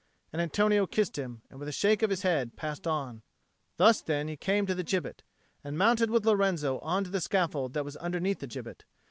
And Antonio kissed him, and, with a shake of his head, passed on. Thus then he came to the gibbet, and mounted with Lorenzo on to the scaffold that was underneath the gibbet.